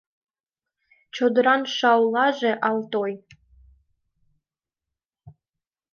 Чодыран шаулаже ал-той.